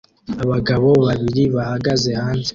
Abagabo babiri bahagaze hanze